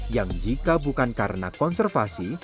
yang jika bukan karena konservasi